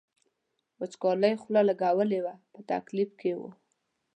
وچکالۍ خوله لګولې وه په تکلیف کې و.